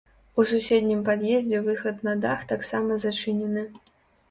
У суседнім пад'ездзе выхад на дах таксама зачынены.